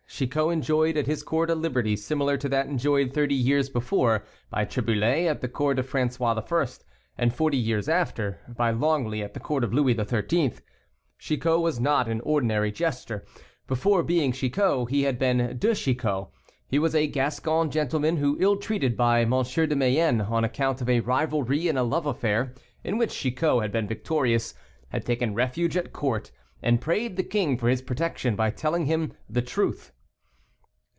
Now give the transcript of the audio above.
Chicot enjoyed at his court a liberty similar to that enjoyed thirty years before by Triboulet at the court of François I., and forty years after by Longely at the court of Louis XIII. Chicot was not an ordinary jester. Before being Chicot he had been "De Chicot." He was a Gascon gentleman, who, ill treated by M. de Mayenne on account of a rivalry in a love affair, in which Chicot had been victorious, had taken refuge at court, and prayed the king for his protection by telling him the truth.